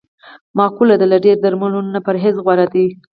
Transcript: مقوله ده: له ډېری درملو نه پرهېز غور دی.